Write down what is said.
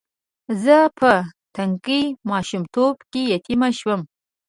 زه په تنکي ماشومتوب کې یتیم شوم.